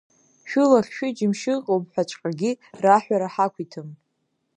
Шәылахь шәыџьымшь ыҟоуп ҳәаҵәҟьагьы раҳәара ҳақәиҭым…